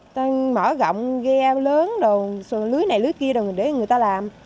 người ta mở gọng ghe lớn đồ lưới này lưới kia đồ để người ta làm